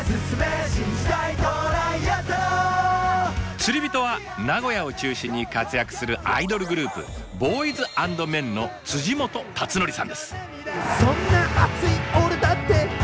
釣りびとは名古屋を中心に活躍するアイドルグループＢＯＹＳＡＮＤＭＥＮの本達規さんです。